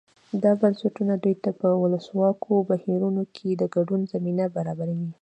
دا بنسټونه دوی ته په ولسواکو بهیرونو کې د ګډون زمینه برابروي.